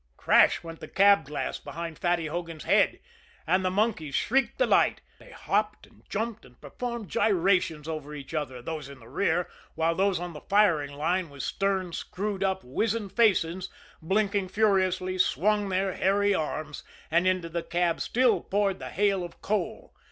Crash went the cab glass behind Fatty Hogan's head and the monkeys shrieked delight. They hopped and jumped and performed gyrations over each other, those in the rear; while those on the firing line, with stern, screwed up, wizened faces, blinking furiously, swung their hairy arms and into the cab still poured the hail of coal.